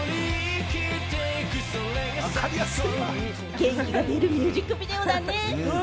元気が出る、ミュージックビデオだね！